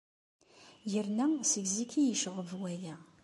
Yerna seg zik ay iyi-yecɣeb waya.